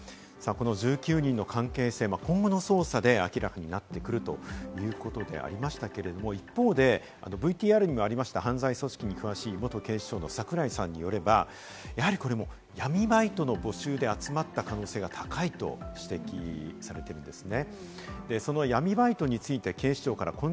１９人の関係性、今後の捜査で明らかになってくるということでありましたけれども、一方でＶＴＲにもありました、犯罪組織に詳しい元警視庁の櫻井さんによれば、闇バイトの募集で集まった可能性が高いと指摘されているんですね。